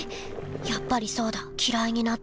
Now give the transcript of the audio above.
やっぱりそうだきらいになったんだ。